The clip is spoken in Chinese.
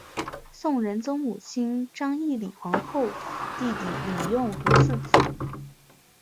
宋仁宗母亲章懿李皇后弟弟李用和次子。